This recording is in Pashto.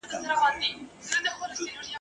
په وفا به مو سوګند وي یو د بل په مینه ژوند وي ..